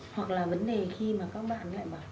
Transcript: hoặc là vấn đề khi mà các bạn lại bỏ